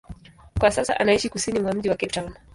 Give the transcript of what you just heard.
Kwa sasa anaishi kusini mwa mji wa Cape Town.